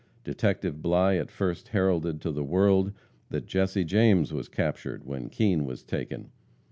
Detective Bligh at first heralded to the world that Jesse James was captured when Kean was taken.